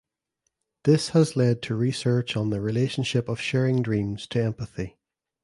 This has led to research on the relationship of sharing dreams to empathy.